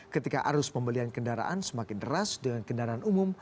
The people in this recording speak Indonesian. ketika arus pembelian kendaraan semakin deras dengan kendaraan umum